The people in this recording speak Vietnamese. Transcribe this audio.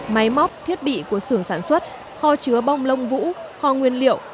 máy móc thiết bị của sưởng sản xuất kho chứa bông lông vũ kho nguyên liệu